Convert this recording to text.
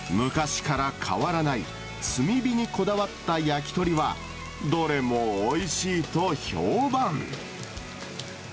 昔から変わらない、炭火にこだわった焼き鳥は、どれもおいしいと評判。